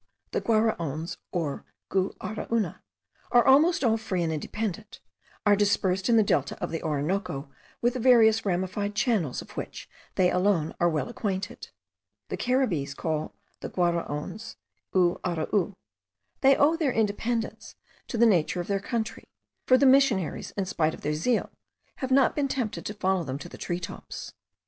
The Guaraons or Gu ara una, almost all free and independent, are dispersed in the Delta of the Orinoco, with the variously ramified channels of which they alone are well acquainted. The Caribbees call the Guaraons U ara u. They owe their independence to the nature of their country; for the missionaries, in spite of their zeal, have not been tempted to follow them to the tree tops.